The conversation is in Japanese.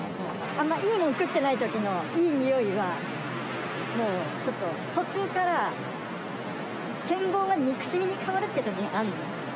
あんまいいもん食ってないときのいい匂いは、もうちょっと、途中から羨望が憎しみに変わるときある。